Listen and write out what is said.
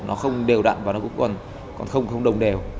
nó không đều đặn và nó cũng còn không đồng đều